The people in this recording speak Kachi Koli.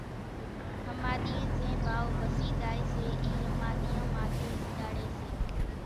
ۿماۮِيئين زين ڀائو پسي زائي سي اِي ۿماۮيان ماٿيَ اُوڏاڙي سي